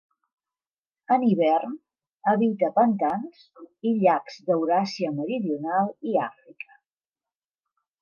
En hivern habita pantans i llacs d'Euràsia meridional i Àfrica.